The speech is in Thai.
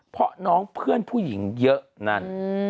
เพราะน้องเพื่อนผู้หญิงเยอะนั่น